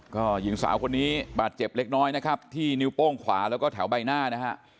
ก็หญิงสาวคนนี้บาดเจ็บเล็กน้อยนะครับที่นิ้วโป้งขวาแล้วก็แถวใบหน้านะฮะ